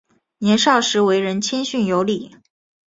年少时为人谦逊有礼。